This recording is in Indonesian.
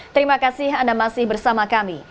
terima kasih anda masih bersama kami